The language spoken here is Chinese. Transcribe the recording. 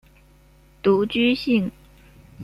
独居性。